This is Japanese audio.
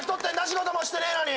仕事もしてねえのに。